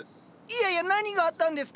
いやいや何があったんですか？